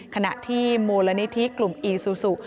ขณะที่มูลนิธิกลุ่มอีซูซู